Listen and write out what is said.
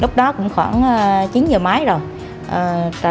lúc đó cũng khoảng chín h mấy rồi